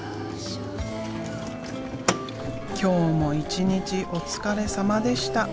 今日も一日お疲れさまでした。